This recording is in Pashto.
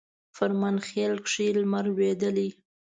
فرمانخیل کښي لمر لوېدلی